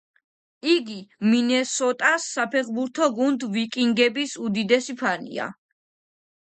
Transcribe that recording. იგი მინესოტას საფეხბურთო გუნდ „ვიკინგების“ უდიდესი ფანია.